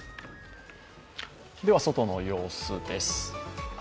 外の様子です。